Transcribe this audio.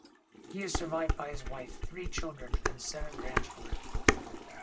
He is survived by his wife, three children, and seven grandchildren.